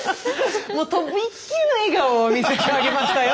もうとびっきりの笑顔を見せてあげましたよ